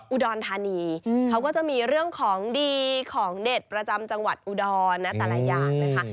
อุดรธานีเขาก็จะมีเรื่องของดีของเด็ดประจำจังหวัดอุดรนะแต่ละอย่างนะคะ